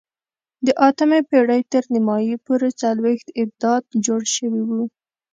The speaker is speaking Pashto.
د اتمې پېړۍ تر نیمايي پورې څلوېښت ابدات جوړ شوي وو.